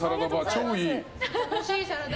超いい。